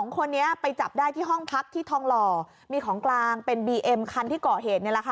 ๒คนนี้ไปจับได้ที่ห้องพักที่ทองหล่อมีของกลางเป็นบีเอ็มคันที่เกาะเหตุ